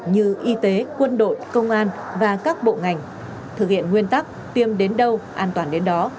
như y tế quân đội công an và các bộ ngành thực hiện nguyên tắc tiêm đến đâu an toàn đến đó